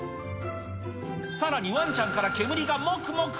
さらにワンちゃんから煙がもくもく。